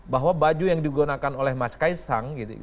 bahwa baju yang digunakan oleh mas kaisang